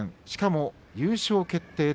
しかも優勝決定